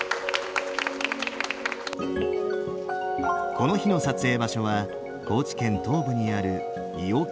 この日の撮影場所は高知県東部にある伊尾木洞。